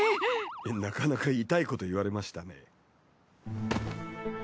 なかなか痛いこと言われましたね。